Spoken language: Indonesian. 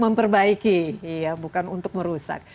memperbaiki bukan untuk merusak